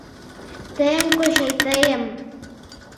— Тыйым, кочай, тыйым...